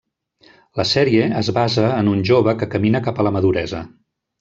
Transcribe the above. La sèrie es basa en un jove que camina cap a la maduresa.